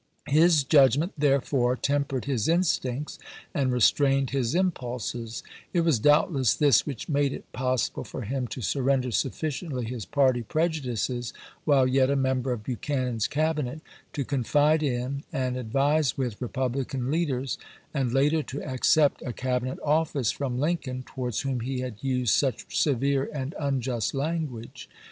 His judgment, therefore, tempered his instincts and restrained his impulses; it was doubtless this which made it possible for him to surrender sufficiently his party prejudices while yet a member of Buchanan's Cabi net, to confide in and advise with Eepublican leaders, and later to accept a Cabinet office from Lincoln, towards whom he had used such severe and unjust language.